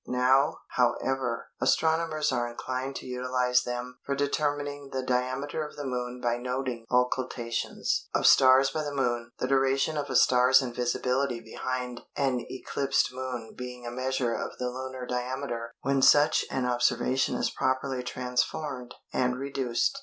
Now, however, astronomers are inclined to utilise them for determining the diameter of the Moon by noting occultations of stars by the Moon, the duration of a star's invisibility behind an eclipsed Moon being a measure of the lunar diameter when such an observation is properly transformed and "reduced."